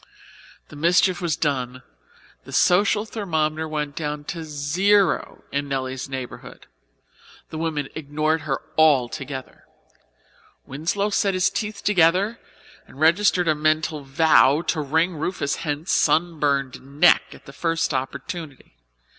The mischief was done, the social thermometer went down to zero in Nelly's neighbourhood. The women ignored her altogether. Winslow set his teeth together and registered a mental vow to wring Rufus Hent's sunburned neck at the first opportunity.